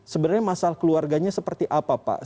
sebenarnya masalah keluarganya seperti apa pak